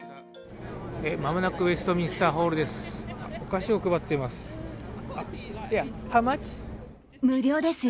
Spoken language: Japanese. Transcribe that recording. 間もなくウェストミンスターホールです。